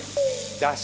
だし。